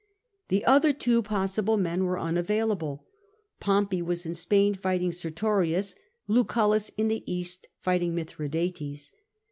The other two possible men were unavailable: Pompey was in Spain fighting Ser torius, Lucullus in the East fighting Mithradates.